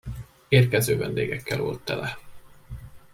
Érkező vendégekkel volt tele!